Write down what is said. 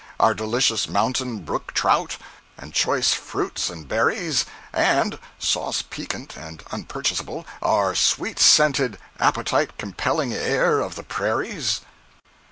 our delicious mountain brook trout, and choice fruits and berries, and (sauce piquant and unpurchasable!) our sweet scented, appetite compelling air of the prairies?